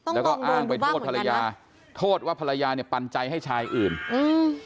แล้วก็อ้างไปโทษภรรยาโทษว่าภรรยาเนี้ยปันใจให้ชายอื่นอืม